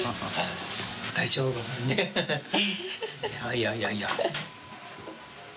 いやいやいや。